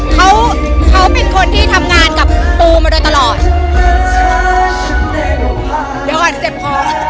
เขาเขาเป็นคนที่ทำงานกับปูมาโดยตลอดเดี๋ยวก่อนเจ็บคอ